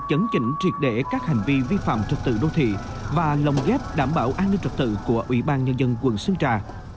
chấn chỉnh triệt để các hành vi vi phạm trật tự đô thị và lồng ghép đảm bảo an ninh trật tự của ủy ban nhân dân quận sơn trà